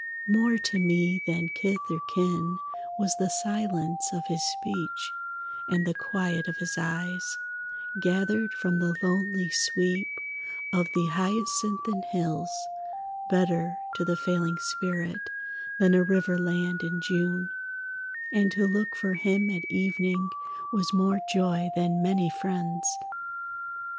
More to me than kith or kin Was the silence of his speech; And the quiet of his eyes, Gathered from the lonely sweep Of the hyacinthine hills, Better to the failing spirit Than a river land in June: And to look for him at evening Was more joy than many friends.